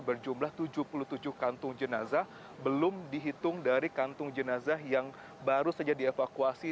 berjumlah tujuh puluh tujuh kantung jenazah belum dihitung dari kantung jenazah yang baru saja dievakuasi